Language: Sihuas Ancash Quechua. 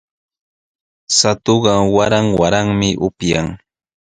Shatuqa waran waranmi upyan.